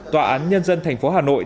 tòa án nhân dân thành phố hà nội